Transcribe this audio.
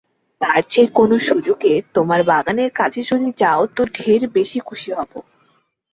তার চেয়ে কোনো সুযোগে তোমার বাগানের কাজে যদি যাও তো ঢের বেশি খুশি হব।